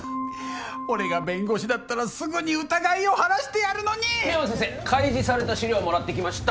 俺が弁護士だったらすぐに疑いを晴らしてやるのに深山先生開示された資料もらってきました